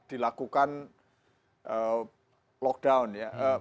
dilakukan lockdown ya